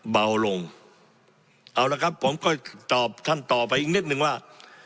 เบาลงเอาละครับผมก็ตอบท่านต่อไปอีกนิดนึงว่า